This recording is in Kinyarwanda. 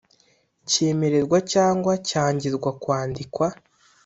cyemererwa cyangwa cyangirwa kwandikwa